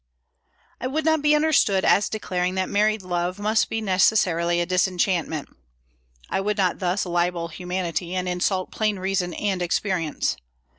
I would not be understood as declaring that married love must be necessarily a disenchantment. I would not thus libel humanity, and insult plain reason and experience.